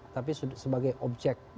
tapi sebagai objek